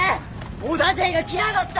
織田勢が来やがった！